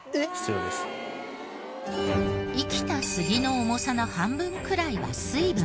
生きた杉の重さの半分くらいは水分。